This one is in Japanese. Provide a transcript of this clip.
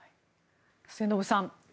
末延さん